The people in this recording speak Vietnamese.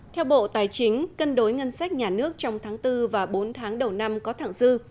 theo bộ tài chính cân đối ngân sách nhà nước trong tháng bốn và bốn tháng đầu năm có thẳng dư